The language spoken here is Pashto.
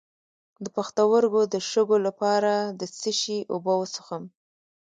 د پښتورګو د شګو لپاره د څه شي اوبه وڅښم؟